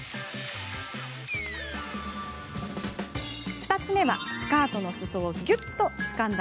２つ目は、スカートのすそをぎゅっとつかんだ